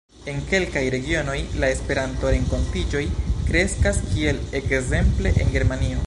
En kelkaj regionoj la Esperanto-renkontiĝoj kreskas, kiel ekzemple en Germanio.